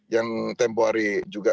yang tempoh hari juga